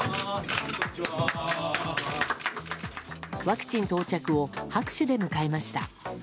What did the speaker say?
ワクチン到着を拍手で迎えました。